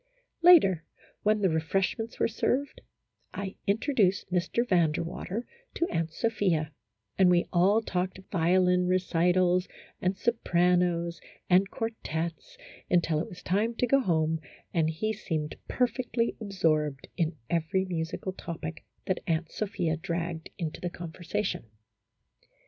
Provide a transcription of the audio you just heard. Later, when the refreshments were served, I in troduced Mr. Van der Water to Aunt Sophia, and we all talked violin recitals, and sopranos, and quartets, until it was time to go home, and he seemed per fectly absorbed in every musical topic that Aunt Sophia dragged into the conversation.